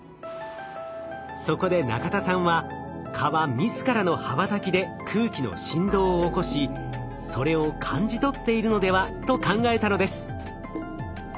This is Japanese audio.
そこで中田さんは蚊は自らの羽ばたきで空気の振動を起こしそれを感じ取っているのではと考えたのです。